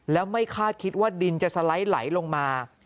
แล้วไม่คาดคิดว่าดินจะสไลด์ไหลลงมา